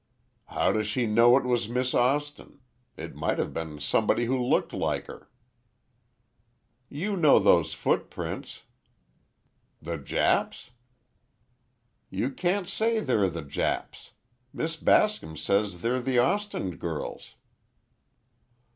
"How does she know it was Miss Austin? It might have been somebody who looked like her." "You know those footprints." "The Jap's?" "You can't say they're the Jap's. Miss Bascom says they're the Austin girl's."